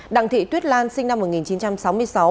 đặng thị tuyết lan sinh năm một nghìn chín trăm sáu mươi sáu